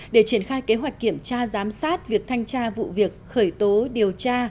để triển khai kế hoạch kiểm tra giám sát việc thanh tra vụ việc khởi tố điều tra